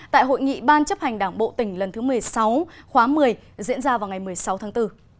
tại hội nghị ban chấp hành đảng bộ tỉnh lần thứ một mươi sáu khóa một mươi diễn ra vào ngày một mươi sáu tháng bốn